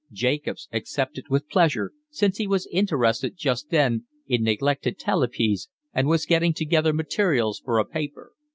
Jacobs accepted with pleasure, since he was interested just then in neglected talipes and was getting together materials for a paper.